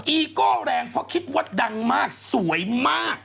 อีโก้แรงเพราะคิดว่าดังมากสวยมาก